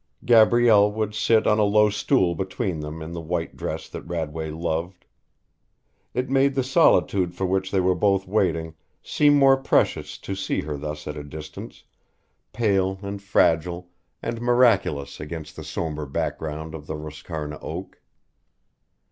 Gabrielle would sit on a low stool between them in the white dress that Radway loved. It made the solitude for which they were both waiting seem more precious to see her thus at a distance, pale and fragile and miraculous against the sombre background of the Roscarna oak.